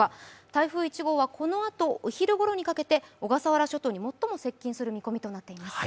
台風１号はこのあとお昼ごろにかけて小笠原諸島に最も接近する見込みとなっています。